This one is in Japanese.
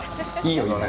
いいよね。